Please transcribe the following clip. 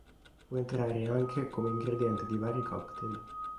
Può entrare anche come ingrediente di vari cocktail.